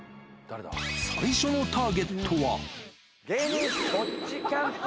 最初のターゲットは。